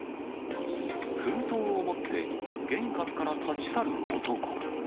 封筒を持って玄関から立ち去る男。